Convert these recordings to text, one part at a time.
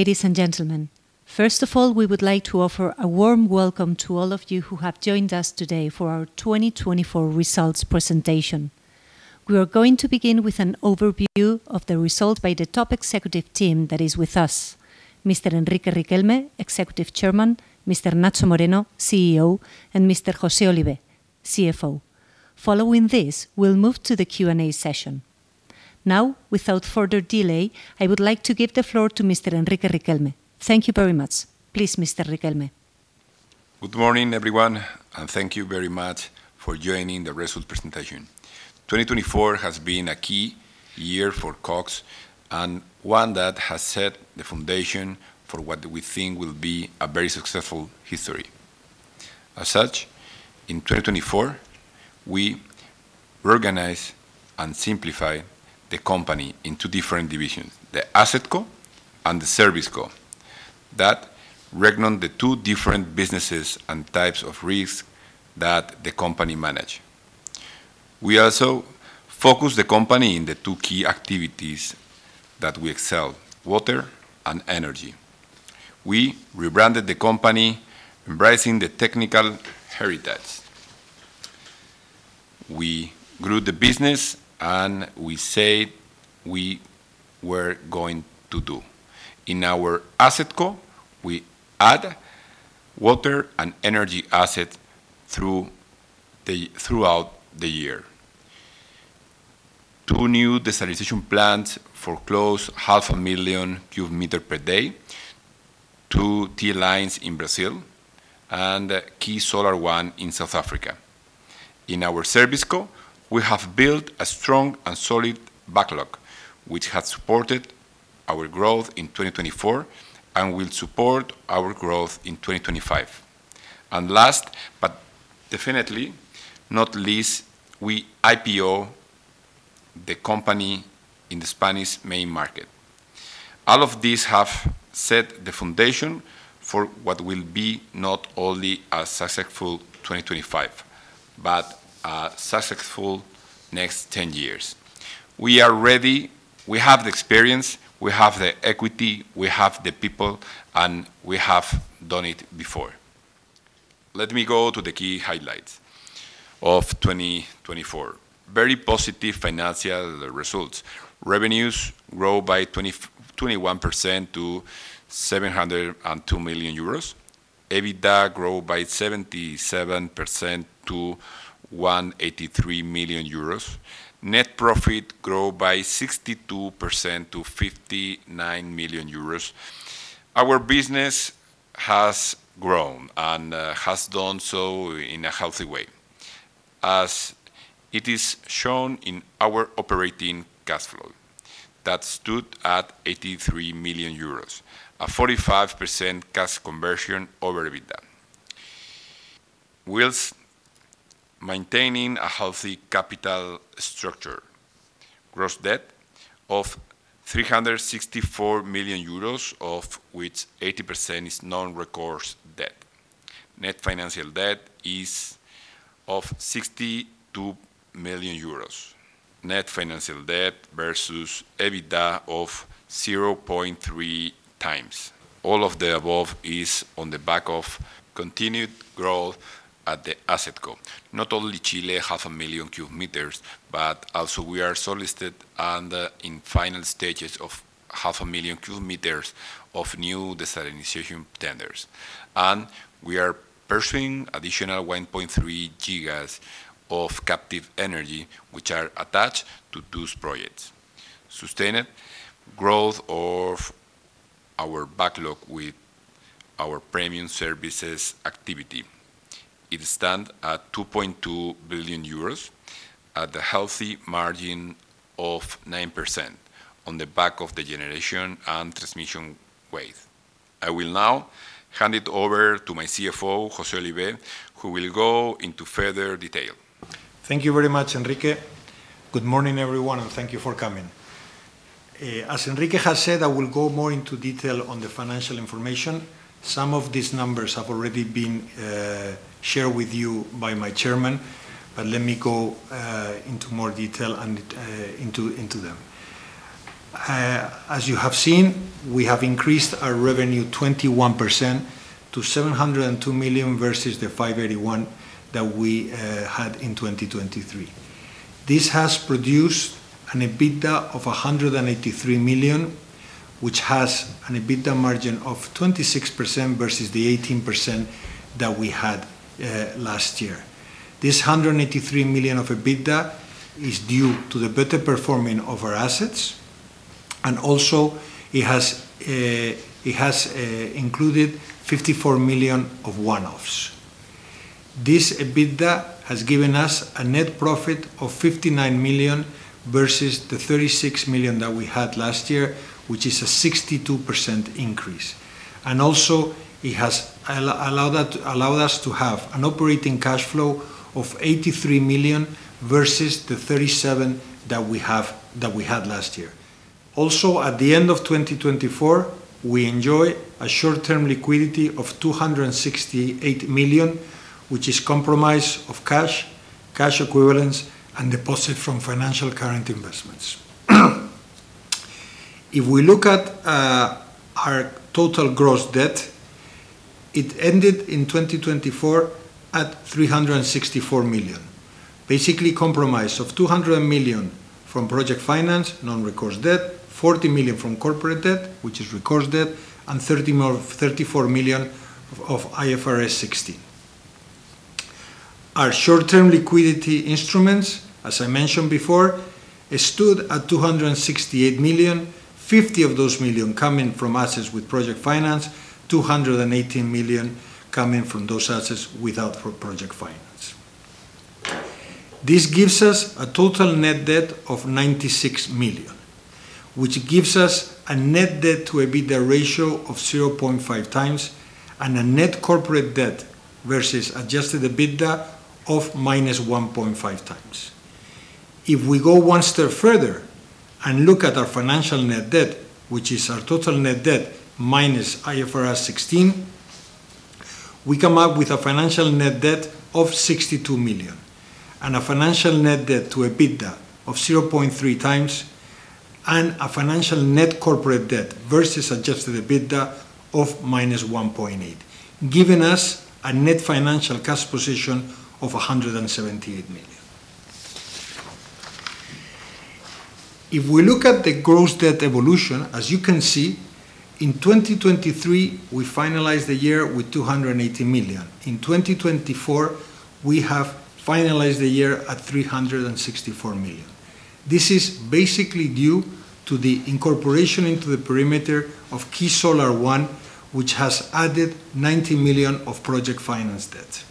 Ladies and gentlemen, first of all, we would like to offer a warm welcome to all of you who have joined us today for our 2024 results presentation. We are going to begin with an overview of the results by the top executive team that is with us: Mr. Enrique Riquelme, Executive Chairman, Mr. Nacho Moreno, CEO, and Mr. José Olivé, CFO. Following this, we'll move to the Q&A session. Now, without further delay, I would like to give the floor to Mr. Enrique Riquelme. Thank you very much. Please, Mr. Riquelme. Good morning, everyone, and thank you very much for joining the Results Presentation. 2024 has been a key year for Cox and one that has set the foundation for what we think will be a very successful history. As such, in 2024, we reorganized and simplified the company into different divisions: the Asset Co and the Service Co, that regnaled the two different businesses and types of risks that the company managed. We also focused the company in the two key activities that we excelled: water and energy. We rebranded the company, embracing the technical heritage. We grew the business, and we said we were going to do. In our Asset Co, we add water and energy assets throughout the year. Two new desalinization plants for close to 500,000 cu m per day, two T lines in Brazil, and a Key Solar One in South Africa. In our Service Co, we have built a strong and solid backlog, which has supported our growth in 2024 and will support our growth in 2025. Last but definitely not least, we IPOed the company in the Spanish main market. All of these have set the foundation for what will be not only a successful 2025, but a successful next 10 years. We are ready. We have the experience. We have the equity. We have the people. We have done it before. Let me go to the key highlights of 2024: very positive financial results. Revenues grew by 21% to 702 million euros. EBITDA grew by 77% to 183 million euros. Net profit grew by 62% to 59 million euros. Our business has grown and has done so in a healthy way, as it is shown in our operating cash flow that stood at 83 million euros, a 45% cash conversion over EBITDA. We're maintaining a healthy capital structure. Gross debt of 364 million euros, of which 80% is non-recursive debt. Net financial debt is of 62 million euros. Net financial debt versus EBITDA of 0.3 times. All of the above is on the back of continued growth at the Asset Co. Not only Chile, 500,000 cu m, but also we are solicited and in final stages of 500,000 cu m of new desalinization tenders. We are pursuing additional 1.3 GW of captive energy, which are attached to those projects. Sustained growth of our backlog with our premium services activity. It stands at 2.2 billion euros at a healthy margin of 9% on the back of the generation and transmission ways. I will now hand it over to my CFO, José Olivé, who will go into further detail. Thank you very much, Enrique. Good morning, everyone, and thank you for coming. As Enrique has said, I will go more into detail on the financial information. Some of these numbers have already been shared with you by my Chairman, but let me go into more detail and into them. As you have seen, we have increased our revenue 21% to 702 million versus the 581 million that we had in 2023. This has produced an EBITDA of 183 million, which has an EBITDA margin of 26% versus the 18% that we had last year. This 183 million of EBITDA is due to the better performing of our assets, and also it has included 54 million of one-offs. This EBITDA has given us a net profit of 59 million versus the 36 million that we had last year, which is a 62% increase. It has also allowed us to have an operating cash flow of 83 million versus the 37 million that we had last year. Also, at the end of 2024, we enjoy a short-term liquidity of 268 million, which is comprised of cash, cash equivalents, and deposits from financial current investments. If we look at our total gross debt, it ended in 2024 at 364 million. Basically, comprised of 200 million from project finance, non-recursive debt, 40 million from corporate debt, which is recursive debt, and 34 million of IFRS 16. Our short-term liquidity instruments, as I mentioned before, stood at 268 million, 50 million of those coming from assets with project finance, 218 million coming from those assets without project finance. This gives us a total net debt of 96 million, which gives us a net debt to EBITDA ratio of 0.5 times and a net corporate debt versus Adjusted EBITDA of -1.5 times. If we go one step further and look at our financial net debt, which is our total net debt minus IFRS 16, we come up with a financial net debt of 62 million and a financial net debt to EBITDA of 0.3 times and a financial net corporate debt versus Adjusted EBITDA of -1.8, giving us a net financial cash position of 178 million. If we look at the gross debt evolution, as you can see, in 2023, we finalized the year with 280 million. In 2024, we have finalized the year at 364 million. This is basically due to the incorporation into the perimeter of Key Solar One, which has added 90 million of project finance debt.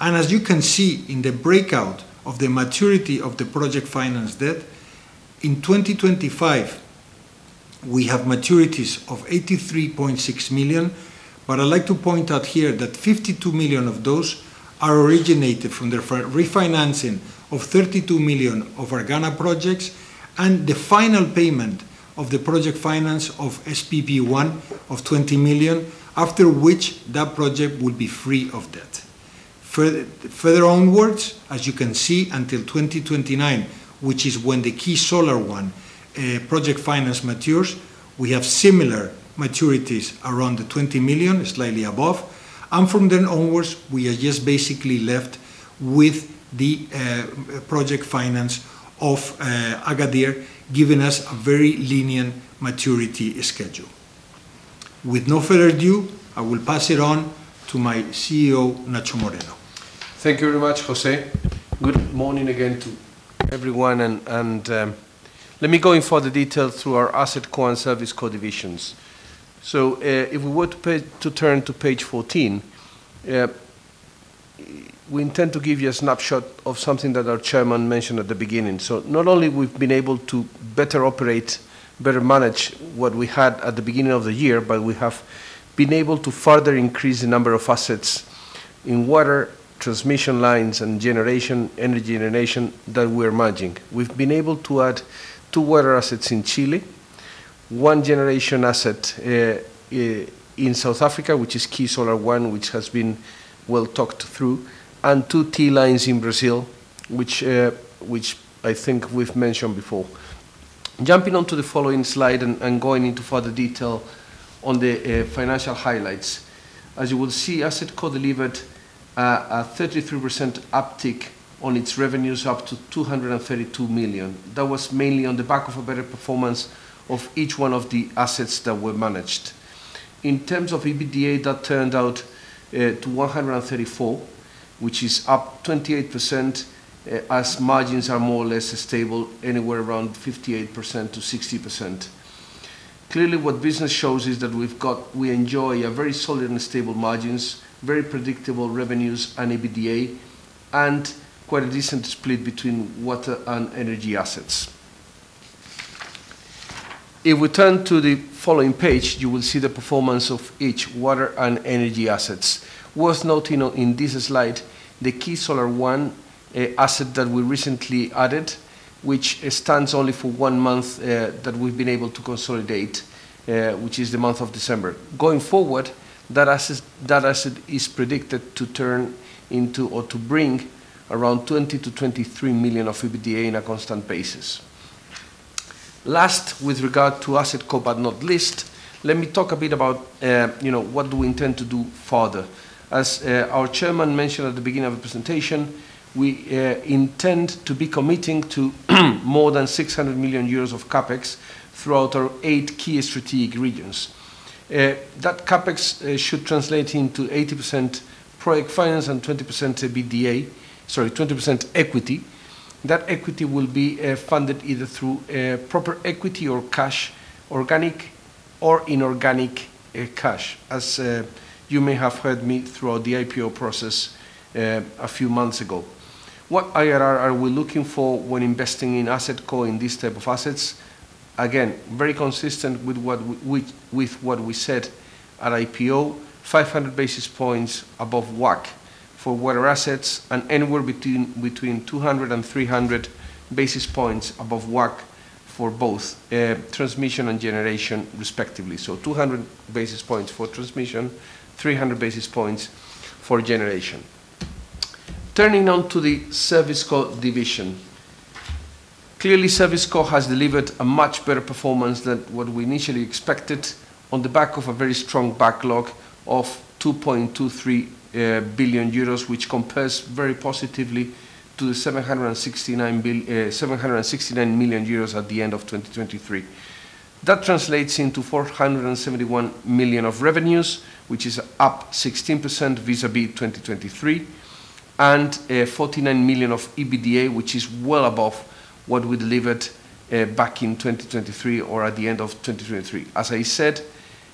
As you can see in the breakout of the maturity of the project finance debt, in 2025, we have maturities of 83.6 million. I would like to point out here that 52 million of those are originated from the refinancing of 32 million of Argana projects and the final payment of the project finance of SPP1 of 20 million, after which that project will be free of debt. Further onwards, as you can see, until 2029, which is when the Key Solar One project finance matures, we have similar maturities around the 20 million, slightly above. From then onwards, we are just basically left with the project finance of Agadir, giving us a very lenient maturity schedule. With no further ado, I will pass it on to my CEO, Nacho Moreno. Thank you very much, José. Good morning again to everyone. Let me go in further detail through our Asset Co and Service Co divisions. If we were to turn to page 14, we intend to give you a snapshot of something that our Chairman mentioned at the beginning. Not only have we been able to better operate, better manage what we had at the beginning of the year, but we have been able to further increase the number of assets in water, transmission lines, and generation, energy generation that we are managing. We have been able to add two water assets in Chile, one generation asset in South Africa, which is Key Solar One, which has been well talked through, and two T lines in Brazil, which I think we have mentioned before. Jumping on to the following slide and going into further detail on the financial highlights. As you will see, Asset Co delivered a 33% uptick on its revenues, up to 232 million. That was mainly on the back of a better performance of each one of the assets that were managed. In terms of EBITDA, that turned out to 134 million, which is up 28% as margins are more or less stable, anywhere around 58%-60%. Clearly, what business shows is that we enjoy very solid and stable margins, very predictable revenues and EBITDA, and quite a decent split between water and energy assets. If we turn to the following page, you will see the performance of each water and energy asset. Worth noting in this slide, the Key Solar One asset that we recently added, which stands only for one month that we've been able to consolidate, which is the month of December. Going forward, that asset is predicted to turn into or to bring around 20 million-23 million of EBITDA on a constant basis. Last, with regard to Asset Co, but not least, let me talk a bit about what do we intend to do further. As our Chairman mentioned at the beginning of the presentation, we intend to be committing to more than 600 million euros of CapEx throughout our eight key strategic regions. That CapEx should translate into 80% project finance and 20% equity. That equity will be funded either through proper equity or cash, organic or inorganic cash, as you may have heard me throughout the IPO process a few months ago. What IRR are we looking for when investing in Asset Co in these types of assets? Again, very consistent with what we said at IPO, 500 basis points above WACC for water assets and anywhere between 200 and 300 basis points above WACC for both transmission and generation, respectively. 200 basis points for transmission, 300 basis points for generation. Turning on to the Service Co division, clearly, Service Co has delivered a much better performance than what we initially expected on the back of a very strong backlog of 2.23 billion euros, which compares very positively to the 769 million euros at the end of 2023. That translates into 471 million of revenues, which is up 16% vis-à-vis 2023, and 49 million of EBITDA, which is well above what we delivered back in 2023 or at the end of 2023. As I said,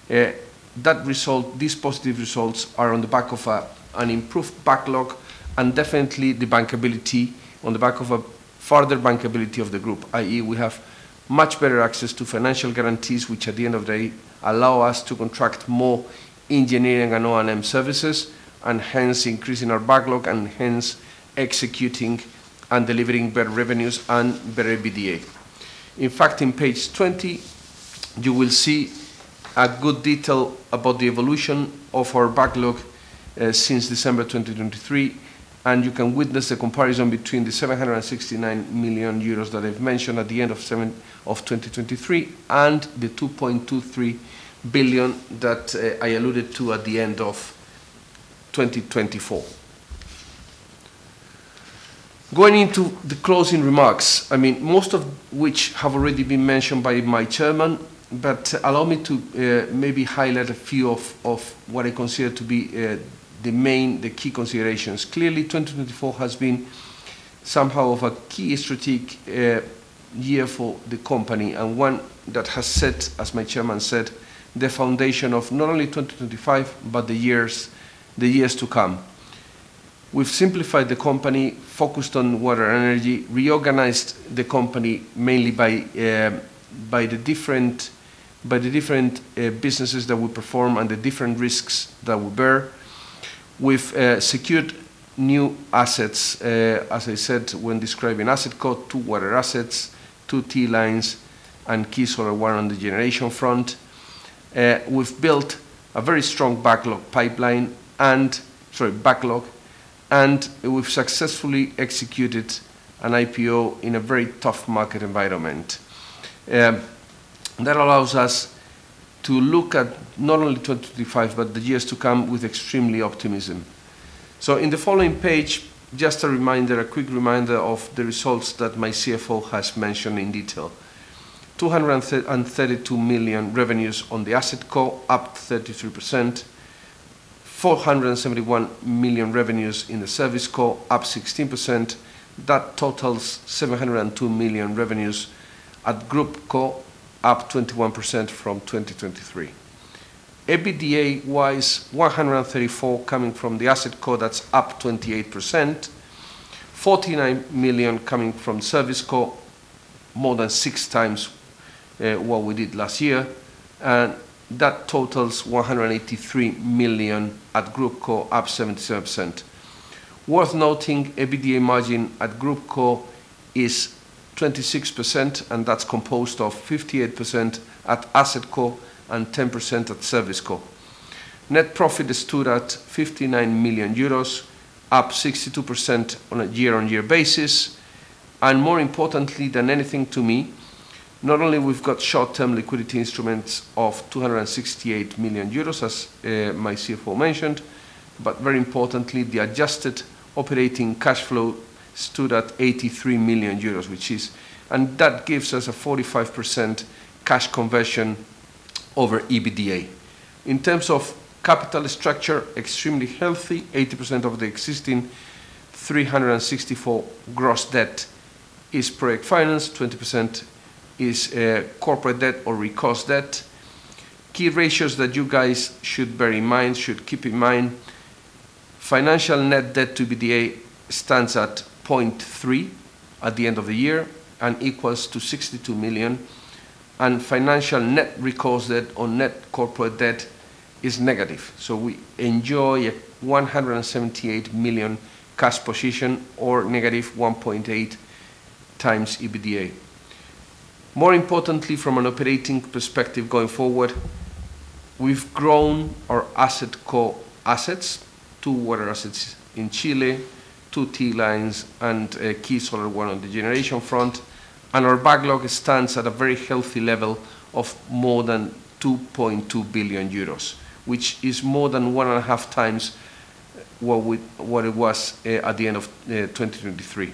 these positive results are on the back of an improved backlog and definitely the bankability on the back of a further bankability of the group, i.e., we have much better access to financial guarantees, which at the end of the day allow us to contract more engineering and O&M services, and hence increasing our backlog and hence executing and delivering better revenues and better EBITDA. In fact, in page 20, you will see a good detail about the evolution of our backlog since December 2023. You can witness the comparison between the 769 million euros that I've mentioned at the end of 2023 and the 2.23 billion that I alluded to at the end of 2024. Going into the closing remarks, I mean, most of which have already been mentioned by my Chairman, but allow me to maybe highlight a few of what I consider to be the key considerations. Clearly, 2024 has been somehow of a key strategic year for the company and one that has set, as my Chairman said, the foundation of not only 2025, but the years to come. We've simplified the company, focused on water energy, reorganized the company mainly by the different businesses that we perform and the different risks that we bear. We've secured new assets, as I said when describing Asset Co, two water assets, two T lines, and Key Solar One on the generation front. We've built a very strong backlog pipeline and, sorry, backlog, and we've successfully executed an IPO in a very tough market environment. That allows us to look at not only 2025, but the years to come with extremely optimism. In the following page, just a reminder, a quick reminder of the results that my CFO has mentioned in detail. 232 million revenues on the Asset Co, up 33%. 471 million revenues in the Service Co, up 16%. That totals 702 million revenues at Group Co, up 21% from 2023. EBITDA-wise, 134 million coming from the Asset Co, that's up 28%. 49 million coming from Service Co, more than six times what we did last year. That totals 183 million at Group Co, up 77%. Worth noting, EBITDA margin at Group Co is 26%, and that's composed of 58% at Asset Co and 10% at Service Co. Net profit stood at 59 million euros, up 62% on a year-on-year basis. More importantly than anything to me, not only have we got short-term liquidity instruments of 268 million euros, as my CFO mentioned, but very importantly, the adjusted operating cash flow stood at 83 million euros, which is. That gives us a 45% cash conversion over EBITDA. In terms of capital structure, extremely healthy. 80% of the existing 364 million gross debt is project finance. 20% is corporate debt or recursive debt. Key ratios that you guys should bear in mind, should keep in mind. Financial net debt to EBITDA stands at 0.3 at the end of the year and equals to 62 million. Financial net recursive debt on net corporate debt is negative. We enjoy a 178 million cash position or -1.8 times EBITDA. More importantly, from an operating perspective going forward, we've grown our Asset Co assets to water assets in Chile, two T lines, and Key Solar One on the generation front. Our backlog stands at a very healthy level of more than 2.2 billion euros, which is more than one and a half times what it was at the end of 2023.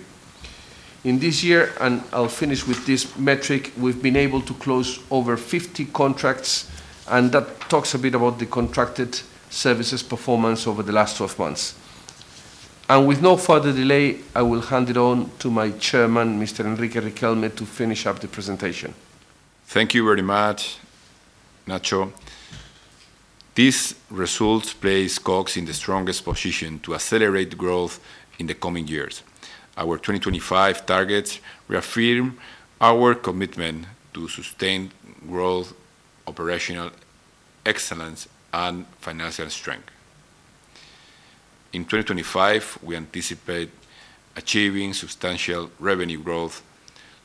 In this year, and I'll finish with this metric, we've been able to close over 50 contracts. That talks a bit about the contracted services performance over the last 12 months. With no further delay, I will hand it on to my Chairman, Mr. Enrique Riquelme, to finish up the presentation. Thank you very much, Nacho. These results place Cox in the strongest position to accelerate growth in the coming years. Our 2025 targets reaffirm our commitment to sustained growth, operational excellence, and financial strength. In 2025, we anticipate achieving substantial revenue growth,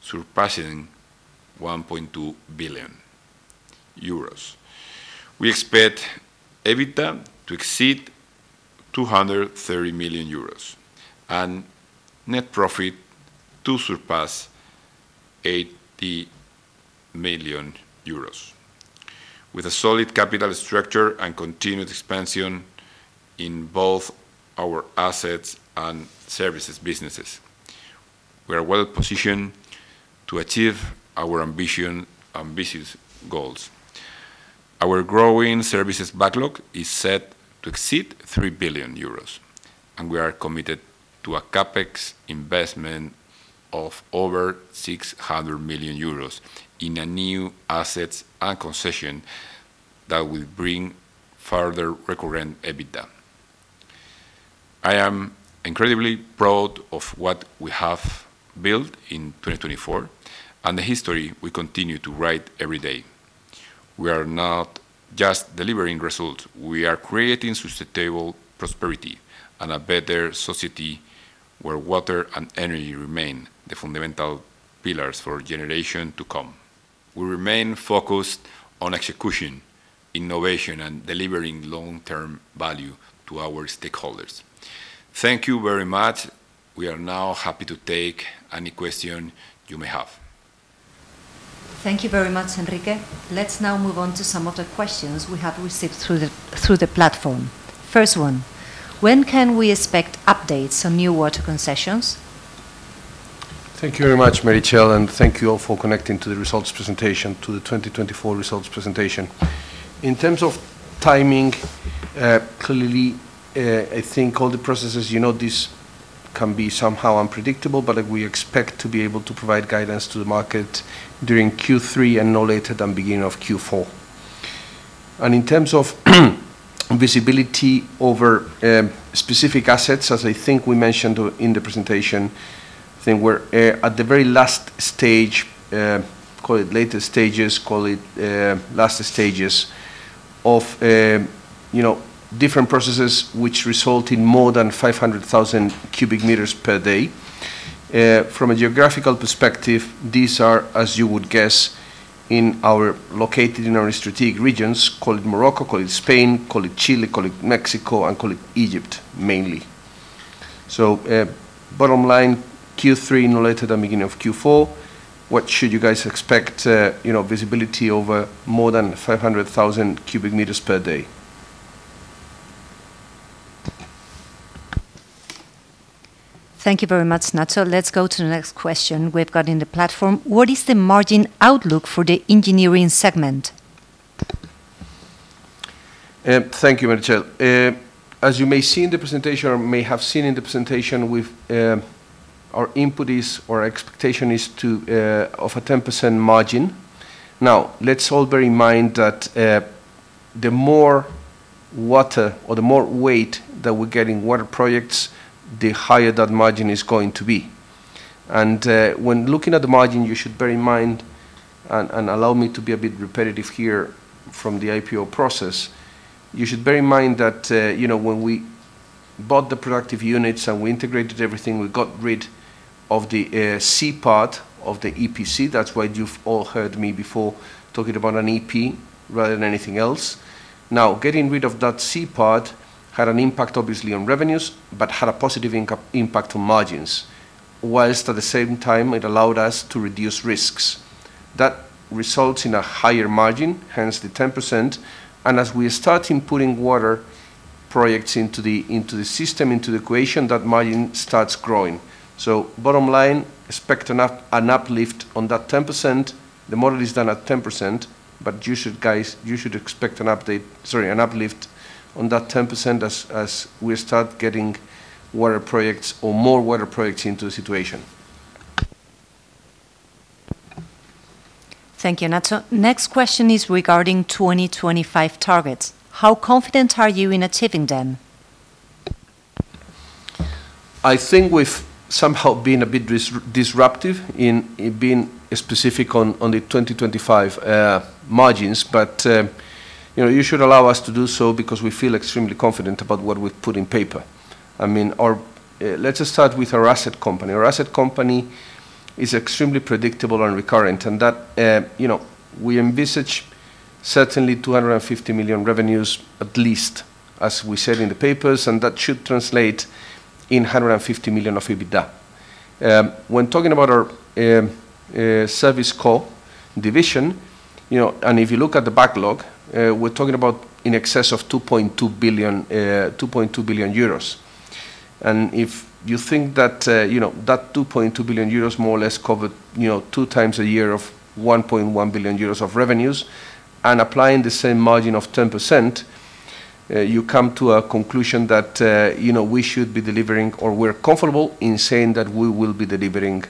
surpassing 1.2 billion euros. We expect EBITDA to exceed 230 million euros and net profit to surpass 80 million euros. With a solid capital structure and continued expansion in both our assets and services businesses, we are well positioned to achieve our ambition and business goals. Our growing services backlog is set to exceed 3 billion euros, and we are committed to a CapEx investment of over 600 million euros in a new assets and concession that will bring further recurrent EBITDA. I am incredibly proud of what we have built in 2024 and the history we continue to write every day. We are not just delivering results. We are creating sustainable prosperity and a better society where water and energy remain the fundamental pillars for generations to come. We remain focused on execution, innovation, and delivering long-term value to our stakeholders. Thank you very much. We are now happy to take any question you may have. Thank you very much, Enrique. Let's now move on to some of the questions we have received through the platform. First one, when can we expect updates on new water concessions? Thank you very much, Meritxell, and thank you all for connecting to the results presentation, to the 2024 results presentation. In terms of timing, clearly, I think all the processes, you know, this can be somehow unpredictable, but we expect to be able to provide guidance to the market during Q3 and no later than beginning of Q4. In terms of visibility over specific assets, as I think we mentioned in the presentation, I think we're at the very last stage, call it later stages, call it last stages of different processes which result in more than 500,000 cu m per day. From a geographical perspective, these are, as you would guess, located in our strategic regions, call it Morocco, call it Spain, call it Chile, call it Mexico, and call it Egypt mainly. Bottom line, Q3, no later than beginning of Q4, what should you guys expect? Visibility over more than 500,000 cu m per day. Thank you very much, Nacho. Let's go to the next question we've got in the platform. What is the margin outlook for the engineering segment? Thank you, Meritxell. As you may see in the presentation, or may have seen in the presentation, our input is, or our expectation is of a 10% margin. Let's all bear in mind that the more water or the more weight that we get in water projects, the higher that margin is going to be. When looking at the margin, you should bear in mind, and allow me to be a bit repetitive here from the IPO process, you should bear in mind that when we bought the productive units and we integrated everything, we got rid of the C part of the EPC. That's why you've all heard me before talking about an EP rather than anything else. Now, getting rid of that C part had an impact, obviously, on revenues, but had a positive impact on margins, whilst at the same time, it allowed us to reduce risks. That results in a higher margin, hence the 10%. As we start inputting water projects into the system, into the equation, that margin starts growing. Bottom line, expect an uplift on that 10%. The model is done at 10%, but you should, guys, you should expect an update, sorry, an uplift on that 10% as we start getting water projects or more water projects into the situation. Thank you, Nacho. Next question is regarding 2025 targets. How confident are you in achieving them? I think we've somehow been a bit disruptive in being specific on the 2025 margins, but you should allow us to do so because we feel extremely confident about what we've put on paper. I mean, let's just start with our asset company. Our asset company is extremely predictable and recurrent. And we envisage certainly 250 million revenues, at least, as we said in the papers, and that should translate in 150 million of EBITDA. When talking about our Service Co division, and if you look at the backlog, we're talking about in excess of 2.2 billion. If you think that that 2.2 billion euros more or less covered two times a year of 1.1 billion euros of revenues, and applying the same margin of 10%, you come to a conclusion that we should be delivering, or we're comfortable in saying that we will be delivering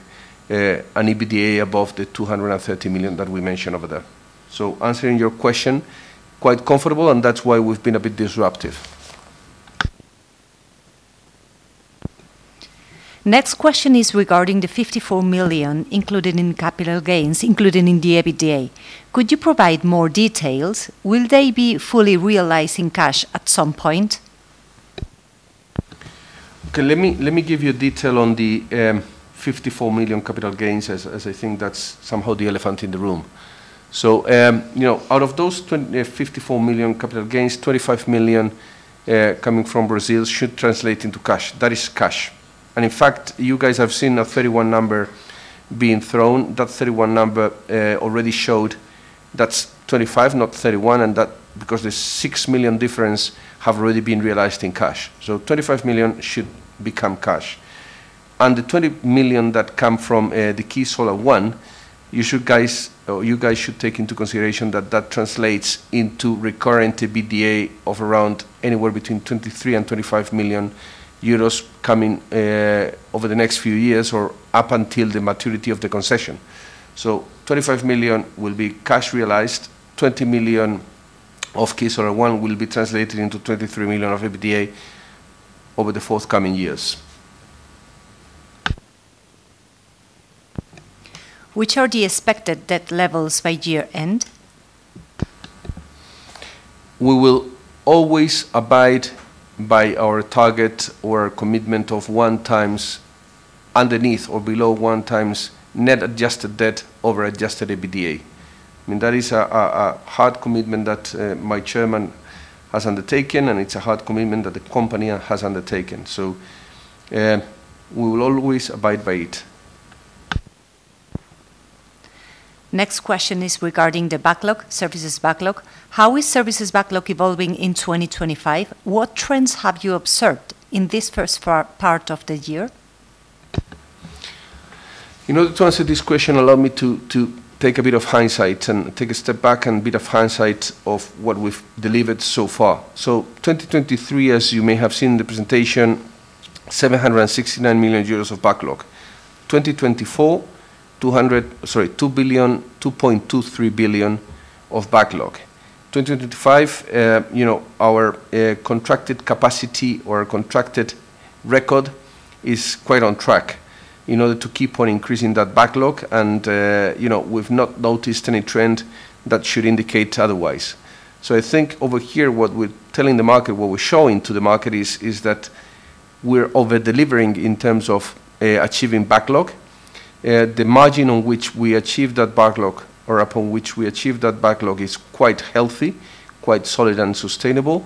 an EBITDA above the 230 million that we mentioned over there. Answering your question, quite comfortable, and that's why we've been a bit disruptive. Next question is regarding the 54 million included in capital gains, included in the EBITDA. Could you provide more details? Will they be fully realizing cash at some point? Okay, let me give you a detail on the EUR 54 million capital gains, as I think that's somehow the elephant in the room. Out of those 54 million capital gains, 25 million coming from Brazil should translate into cash. That is cash. In fact, you guys have seen a 31 number being thrown. That 31 number already showed that's 25, not 31, and that is because the 6 million difference has already been realized in cash. 25 million should become cash. The 20 million that come from the Key Solar One, you guys should take into consideration that that translates into recurrent EBITDA of around anywhere between 23 million-25 million euros coming over the next few years or up until the maturity of the concession. 25 million will be cash realized. 20 million of Key Solar One will be translated into 23 million of EBITDA over the forthcoming years. Which are the expected debt levels by year-end? We will always abide by our target or our commitment of one times underneath or below one times net adjusted debt over Adjusted EBITDA. I mean, that is a hard commitment that my Chairman has undertaken, and it's a hard commitment that the company has undertaken. We will always abide by it. Next question is regarding the backlog, Services Backlog. How is Services Backlog evolving in 2025? What trends have you observed in this first part of the year? In order to answer this question, allow me to take a bit of hindsight and take a step back and a bit of hindsight of what we've delivered so far. 2023, as you may have seen in the presentation, 769 million euros of backlog. 2024, 2.23 billion of backlog. 2025, our contracted capacity or contracted record is quite on track in order to keep on increasing that backlog. We've not noticed any trend that should indicate otherwise. I think over here, what we're telling the market, what we're showing to the market is that we're over-delivering in terms of achieving backlog. The margin on which we achieve that backlog or upon which we achieve that backlog is quite healthy, quite solid and sustainable,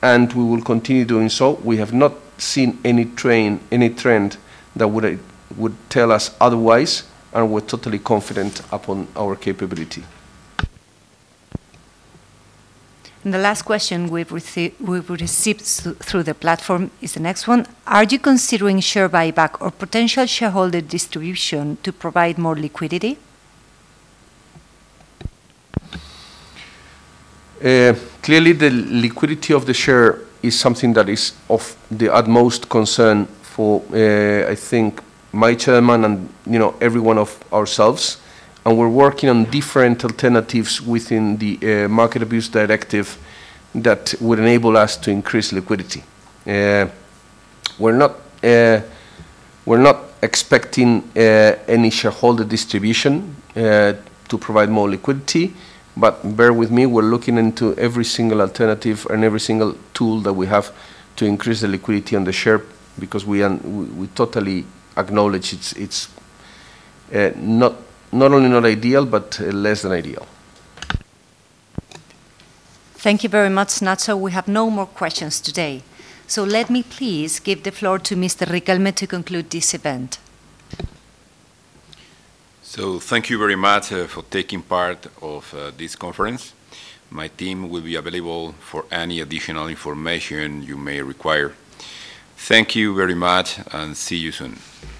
and we will continue doing so. We have not seen any trend that would tell us otherwise, and we're totally confident upon our capability. The last question we've received through the platform is the next one. Are you considering share buyback or potential shareholder distribution to provide more liquidity? Clearly, the liquidity of the share is something that is of the utmost concern for, I think, my Chairman and every one of ourselves. We are working on different alternatives within the market abuse directive that would enable us to increase liquidity. We are not expecting any shareholder distribution to provide more liquidity, but bear with me, we are looking into every single alternative and every single tool that we have to increase the liquidity on the share because we totally acknowledge it is not only not ideal, but less than ideal. Thank you very much, Nacho. We have no more questions today. Let me please give the floor to Mr. Riquelme to conclude this event. Thank you very much for taking part of this conference. My team will be available for any additional information you may require. Thank you very much and see you soon.